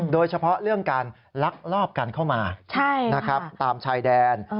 โดยเฉพาะเรื่องการลักลอบกันเข้ามาตามชายแดน